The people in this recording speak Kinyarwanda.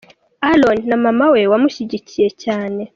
Aaron na mama we wamushyigikiye cyane.